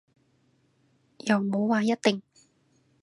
又冇話一定